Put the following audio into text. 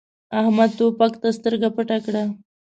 احمد توپک ته سترګه پټه کړه.